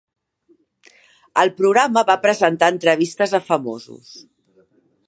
El programa va presentar entrevistes a famosos.